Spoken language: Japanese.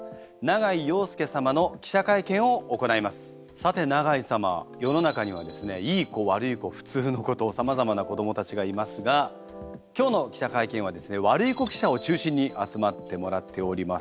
さて永井様世の中にはですねいい子悪い子普通の子とさまざまな子どもたちがいますが今日の記者会見はですね悪い子記者を中心に集まってもらっております。